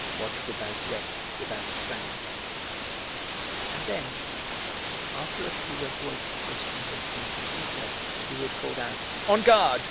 Watch without rest, without sound, and then, after a few adroit questions on points of detail, he would call out "On guard!